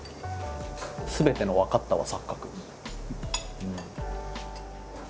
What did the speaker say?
すべての「分かった」は錯覚。